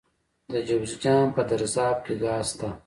د جوزجان په درزاب کې ګاز شته.